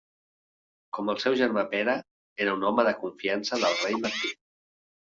Com el seu germà Pere, era un home de confiança del rei Martí.